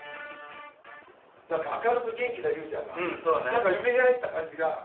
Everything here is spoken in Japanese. なんか明るく元気な竜ちゃんが、なんか、よみがえった感じが。